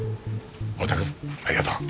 太田くんありがとう。